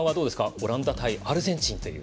オランダ対アルゼンチン。